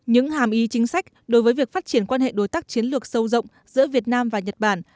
những hàm ý chính sách đối với việc phát triển quan hệ đối tác chiến lược sâu rộng giữa việt nam và nhật bản